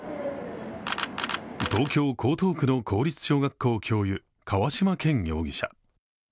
東京・江東区の公立小学校教諭、河嶌健容疑者。